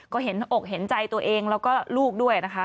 ก็เห็นอกเห็นใจตัวเองแล้วก็ลูกด้วยนะคะ